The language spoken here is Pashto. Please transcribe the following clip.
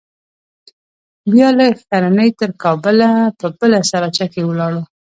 بيا له ښرنې تر کابله په بله سراچه کښې ولاړو.